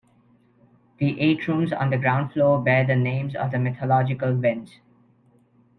The eight rooms on the ground floor bear the names of the mythological winds.